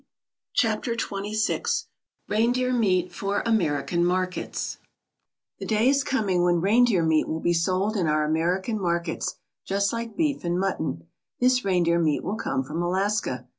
CHAPTER XXVI REINDEER MEAT FOR AMERICAN MARKETS THE day is coming when reindeer meat will be sold in our American markets just like beef and mutton. This reindeer meat will come from Alaska.